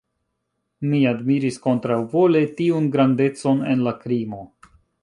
Mi admiris kontraŭvole tiun grandecon en la krimo.